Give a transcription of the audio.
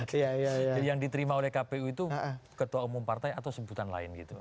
jadi yang diterima oleh kpu itu ketua umum partai atau sebutan lain gitu